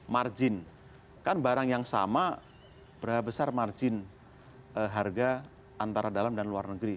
margin kan barang yang sama berapa besar margin harga antara dalam dan luar negeri